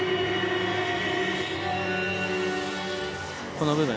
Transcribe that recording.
この部分。